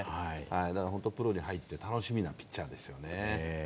だからプロに入って楽しみなピッチャーですよね。